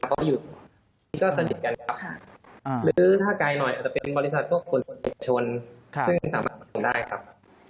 เพราะอยู่นี่ก็สนิทกันครับหรือถ้าไกลหน่อยอาจจะเป็นบริษัทพวกคนชนซึ่งสามารถลงทุนได้ครับ